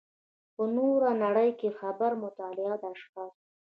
په نوره نړۍ کې خبري مطالب د اشخاصو.